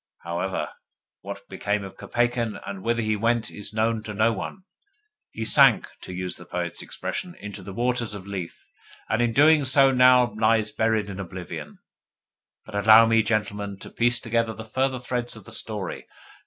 However, what became of Kopeikin, and whither he went, is known to no one. He sank, to use the poet's expression, into the waters of Lethe, and his doings now lie buried in oblivion. But allow me, gentlemen, to piece together the further threads of the story.